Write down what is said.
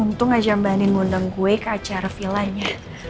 untung aja mba nin ngundang gue ke acara vilanya